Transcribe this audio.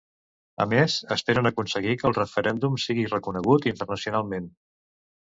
A més, esperen aconseguir que el referèndum sigui reconegut internacionalment.